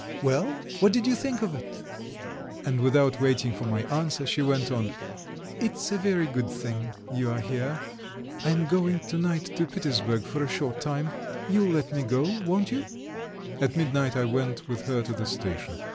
Well, what did you think of it?" and without waiting for my answer she went on: "It's a very good thing you are here. I am going to night to Petersburg for a short time. You'll let me go, won't you?" At midnight I went with her to the station.